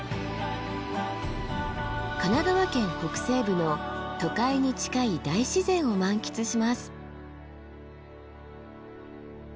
神奈川県北西部の都会に近い大自然を満喫します。